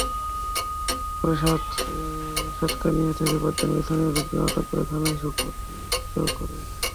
পরে সাতকানিয়া থেকে পাঁচজনকে স্থানীয় লোকজন আটক করে থানায় সোপর্দ করে।